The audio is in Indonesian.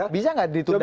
bisa nggak ditunda